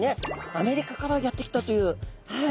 アメリカからやって来たというはい。